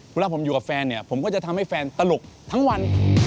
เวลาผมอยู่กับแฟนเนี่ยผมก็จะทำให้แฟนตลกทั้งวัน